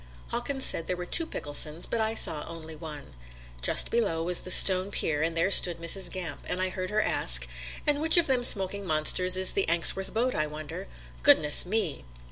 Hawkins said there were two Picklesons, but I saw only one. Just below was the Stone pier and there stood Mrs. Gamp, and I heard her ask: "And which of all them smoking monsters is the Anxworks boat, I wonder? Goodness me!"